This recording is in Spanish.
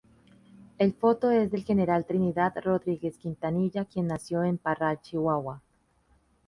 El foto es de General Trinidad Rodríguez Quintanilla quien nació en Parral, Chihuahua.